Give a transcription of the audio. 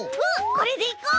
これでいこう！